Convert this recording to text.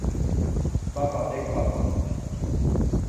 บางกอก เดค-คอน